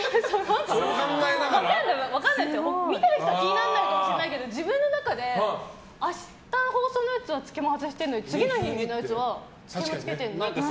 分かんないですよ、見てる人は気にならないかもしれないけど自分の中で明日放送のやつはつけま、外してるのに次の日のやつはつけまつけてるのって。